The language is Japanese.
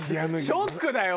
ショックだよ